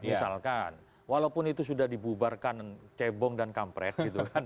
misalkan walaupun itu sudah dibubarkan cebong dan kampret gitu kan